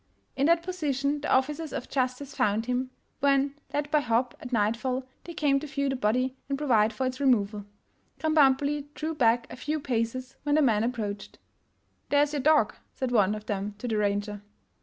In that position the officers of justice found him, when, led by Hopp, at nightfall they came to view the body and provide for its removal. Kram bambuli drew back a few paces when the men approached. " There's your dog," said one of them to the ranger.